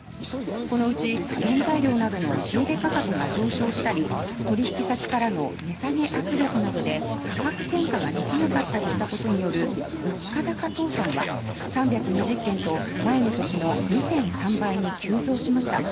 このうち、原材料などの仕入れ価格が上昇したり取引先からの値下げ圧力などで価格転嫁ができなかったりしたことによる物価高倒産は３２０件と前の年の２．３倍に急増しました。